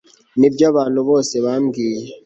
Nibyo abantu bose bambwiye